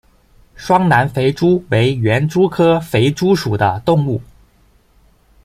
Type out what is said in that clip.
双南肥蛛为园蛛科肥蛛属的动物。